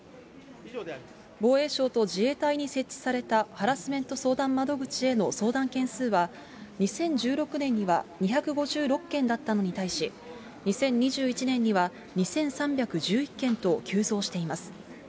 防衛省と自衛隊に設置されたハラスメント相談窓口への相談件数は、２０１６年には２５６件だったのに対し、２０２１年には２３１１件と急増しています。